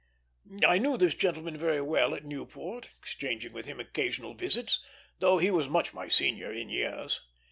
I knew this gentleman very well at Newport, exchanging with him occasional visits, though he was much my senior in years.